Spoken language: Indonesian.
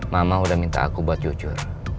mama udah minta aku buat jujur